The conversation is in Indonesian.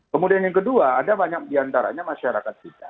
kemudian yang kedua ada banyak diantaranya masyarakat kita